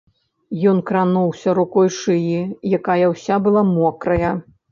Ён крануўся рукою шыі, якая ўся была мокрая.